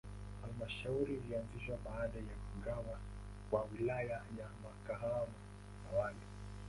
Halmashauri ilianzishwa baada ya kugawa kwa Wilaya ya Kahama ya awali.